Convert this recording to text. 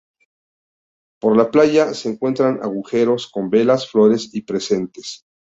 Por la playa, se encuentran agujeros con velas, flores y presentes.